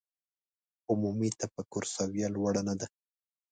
عمومي تفکر سویه لوړه نه ده.